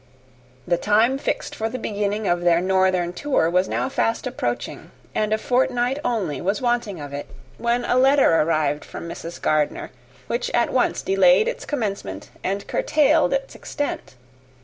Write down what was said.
The time fixed for the beginning of their northern tour was now fast approaching; and a fortnight only was wanting of it, when a letter arrived from Mrs. Gardiner, which at once delayed its commencement and curtailed its extent.